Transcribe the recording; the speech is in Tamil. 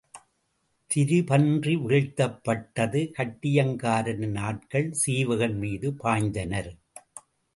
திரிபன்றி வீழ்த்தப்பட்டது கட்டியங்காரனின் ஆட்கள் சீவகன் மீது பாய்ந்தனர்.